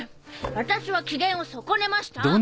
私は機嫌を損ねました。